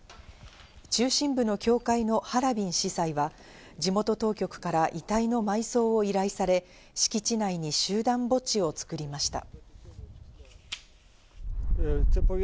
中心部の教会のハラビン司祭は地元当局から遺体の埋葬を依頼され、敷地内に集団墓地を作りました。